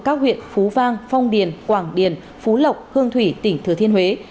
các huyện phú vang phong điền quảng điền phú lộc hương thủy tỉnh thừa thiên huế